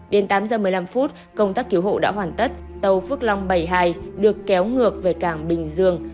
đến tám giờ một mươi năm phút công tác cứu hộ đã hoàn tất tàu phước long bảy mươi hai được kéo ngược về cảng bình dương